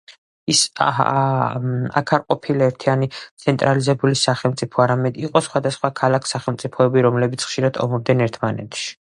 იქ არ ყოფილა ერთიანი ცენტრალიზებული სახელმწიფო, არამედ იყო სხვადასხვა ქალაქ-სახელმწიფოები, რომლებიც ხშირად ომობდნენ ერთმანეთში.